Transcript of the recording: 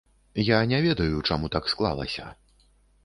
Я не ведаю, чаму так склалася.